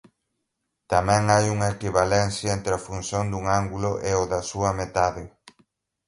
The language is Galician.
Tamén hai unha equivalencia entre a función dun ángulo e o da súa metade.